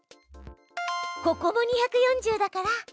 ここも２４０だから。